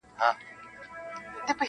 هېره چي یې نه کې پر ګرېوان حماسه ولیکه-